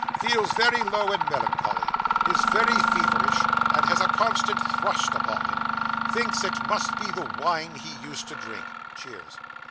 Feels very low and melancholy, is very feverish, and has a constant thirst upon him; thinks it must be the wine he used to drink (cheers).